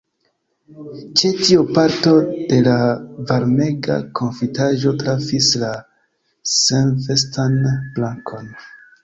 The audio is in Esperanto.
Ĉe tio parto de la varmega konfitaĵo trafis la senvestan brakon.